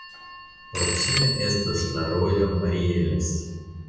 Proksime estas la rojo Marieles.